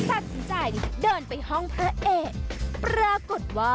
สัดสนใจเดินไปห้องพระเอก